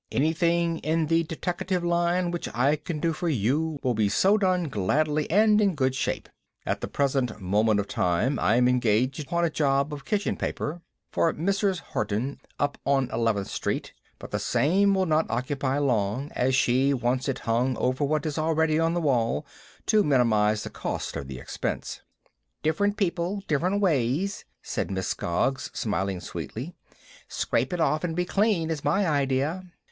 "Anything in the deteckative line which I can do for you will be so done gladly and in good shape. At the present moment of time, I'm engaged upon a job of kitchen paper for Mrs. Horton up on Eleventh Street, but the same will not occupy long, as she wants it hung over what is already on the wall, to minimize the cost of the expense." "Different people, different ways," said Miss Scroggs, smiling sweetly. "Scrape it off and be clean, is my idea."